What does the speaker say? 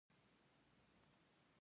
خمیره ډوډۍ په تندور کې پخیږي.